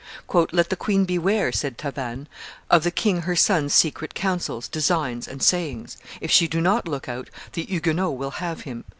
"Let the queen beware," said Tavannes, "of the king her son's secret councils, designs, and sayings; if she do not look out, the Huguenots will have him.